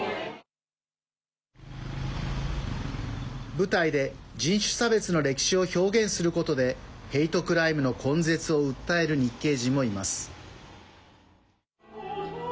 舞台で人種差別の歴史を表現することでヘイトクライムの根絶を訴える日系人もいます。